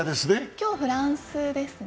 今日、フランスですね。